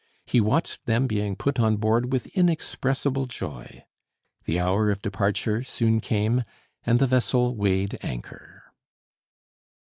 He watched them being put on board with inexpressible joy; the hour of departure soon came, and the vessel weighed anchor.